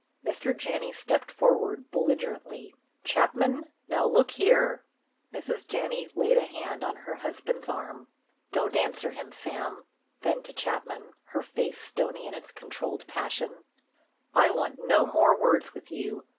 Mr. Janney stepped forward belligerently: "Chapman, now look here—" Mrs. Janney laid a hand on her husband's arm: "Don't answer him, Sam," then to Chapman, her face stony in its controlled passion, "I want no more words with you.